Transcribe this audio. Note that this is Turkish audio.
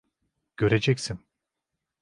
Göreceksin.